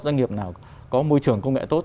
doanh nghiệp nào có môi trường công nghệ tốt